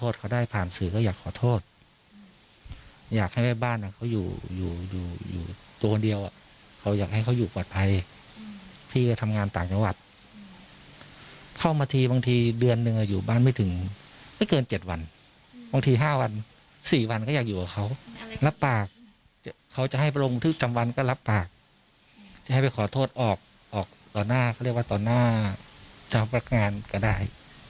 จะให้ไปขอโทษออกต่อหน้าเขาเรียกว่าต่อหน้าเจ้าพักงานก็ได้